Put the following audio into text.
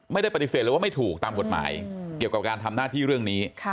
ไม่ได้ปฏิเสธเลยว่าไม่ถูกตามกฎหมายเกี่ยวกับการทำหน้าที่เรื่องนี้